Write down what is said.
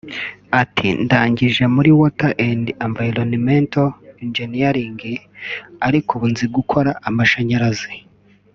Ati “Ndangije muri Water and Environmental Engineering ariko ubu nzi gukora amashanyarazi